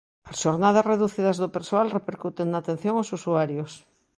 As xornadas reducidas do persoal repercuten na atención aos usuarios.